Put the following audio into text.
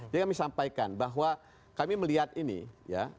jadi kami sampaikan bahwa kami melihat ini ya